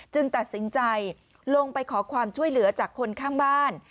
ตัดสินใจลงไปขอความช่วยเหลือจากคนข้างบ้าน